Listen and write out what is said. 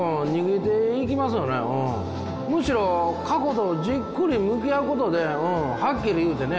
むしろ過去とじっくり向き合うことでうんはっきり言うてね